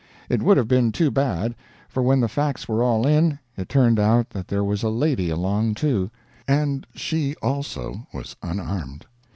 It would have been too bad, for when the facts were all in, it turned out that there was a lady along, too, and she also was unarmed.